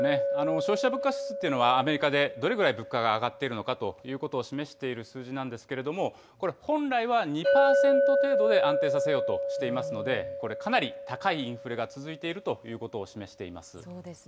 消費者物価指数というのはアメリカでどれぐらい物価が上がっているのかということを示している数字なんですけれども、これ、本来は２％程度で安定させようとしていますので、これ、かなり高いインフレが続いているということをそうですね。